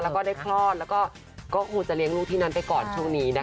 แล้วก็ได้คลอดแล้วก็คงจะเลี้ยงลูกที่นั้นไปก่อนช่วงนี้นะคะ